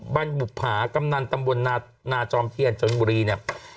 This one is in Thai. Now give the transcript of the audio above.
บรรบุภากำนันตำบลนาจอมเทียนจนบุรีเนี่ย